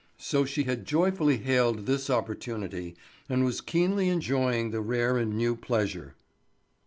So she had joyfully hailed this opportunity, and was keenly enjoying the rare and new pleasure.